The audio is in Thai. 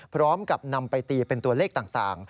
พร้อมกับนำไปตีเป็นตัวเลขต่าง